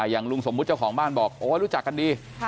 อย่างลุงสมมุติเจ้าของบ้านบอกโอ๊ยรู้จักกันดี